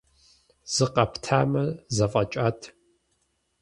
Зыкъэптамэ, зэфӀэкӀат.